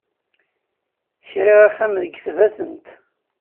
Kriɣ axxam deg Tbatent.